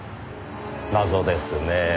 謎ですねぇ。